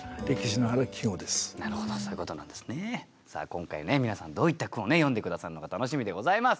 今回ね皆さんどういった句を詠んで下さるのか楽しみでございます。